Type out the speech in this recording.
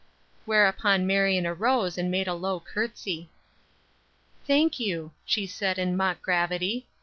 Whereupon Marion arose and made a low courtesy. "Thank you," she said, in mock gravity.